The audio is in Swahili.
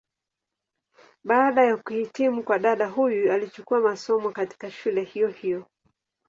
Baada ya kuhitimu kwa dada huyu alichukua masomo, katika shule hiyo hiyo.